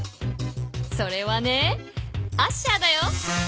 それはねアッシャーだよ。